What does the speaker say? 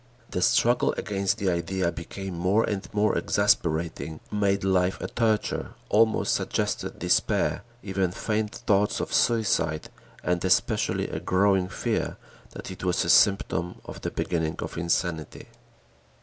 The struggle against the idea became more and more exasperating, made life a torture, almost suggested despair, even faint thoughts of suicide, and especially a growing fear that it was a symptom of the beginning of insanity.